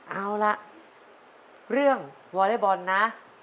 เอาล่ะเรื่องวอเล็กบอลนะ